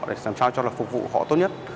để làm sao cho là phục vụ họ tốt nhất